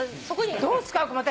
どう使うか私も。